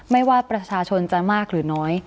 ไม่ว่าประชาชนจะมากหรือน้อย